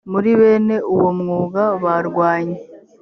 muri bene uwo mwuga barwanye